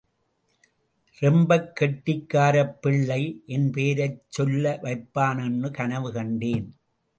ரொம்பக் கெட்டிக்காரப் பிள்ளை என் பேரைச் சொல்ல வைப்பான்னு கனவு கண்டேன்.